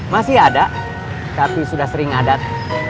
masih ada tapi sudah sering adat